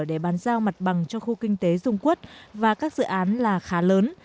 để bán giao mặt bằng cho khu kinh tế dung quất và các dự án là khá lớn